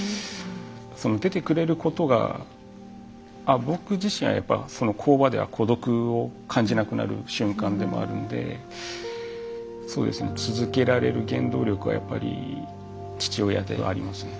その出てくれることが僕自身はやっぱり工場では孤独を感じなくなる瞬間でもあるので続けられる原動力はやっぱり父親ではありますね。